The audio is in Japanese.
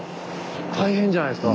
大変じゃないすか。